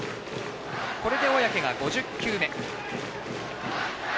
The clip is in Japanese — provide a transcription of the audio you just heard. これで小宅が５０球目。